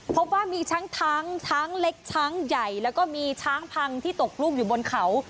พบว่ามีช้างช้างเล็กช้างใหญ่แล้วก็มีช้างพังที่ตกลูกอยู่บนเขา